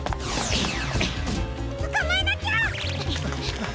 つかまえなきゃ！